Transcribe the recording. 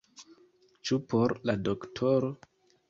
Ĉu por la doktoro?